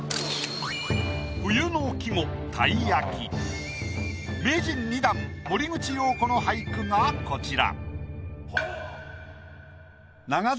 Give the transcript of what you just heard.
冬の季語名人２段森口瑤子の俳句がこちら。